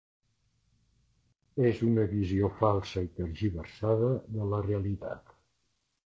És una visió falsa i tergiversada de la realitat.